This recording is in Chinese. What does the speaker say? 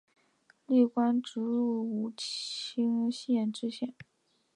历官直隶武清县知县。